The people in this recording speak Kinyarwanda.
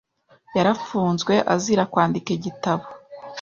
Yarafunzwe azira kwandika igitabo.